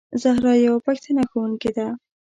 زهرا یوه پښتنه ښوونکې ده.